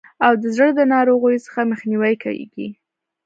او د زړه د ناروغیو څخه مخنیوی کیږي.